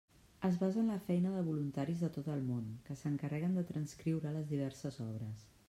Es basa en la feina de voluntaris de tot el món, que s'encarreguen de transcriure les diverses obres.